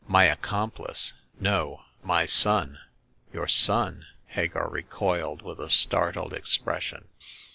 " My accomplice — no, my son !"" Your son !" Hagar recoiled, with a startled expression.